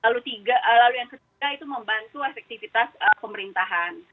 lalu yang ketiga itu membantu efektivitas pemerintahan